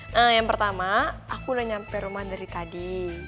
nah yang pertama aku udah nyampe rumah dari tadi